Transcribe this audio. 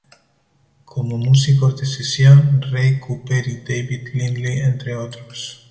Como músicos de sesión Ray Cooper y David Lindley, entre otros.